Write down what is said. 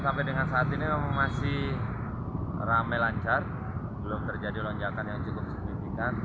sampai dengan saat ini memang masih rame lancar belum terjadi lonjakan yang cukup signifikan